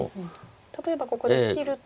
例えばここで切ると。